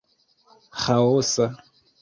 ĥaosa